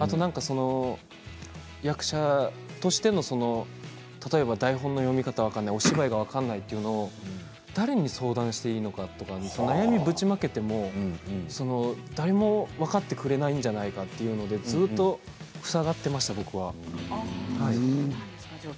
あとは役者としての例えば、台本の読み方分からないお芝居が分からないというのを誰に相談していいのか悩みをぶちまけても誰も分かってくれないんじゃないかというのでずっと塞がっていました、僕は。